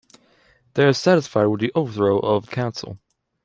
They are satisfied with the overthrow of the Council.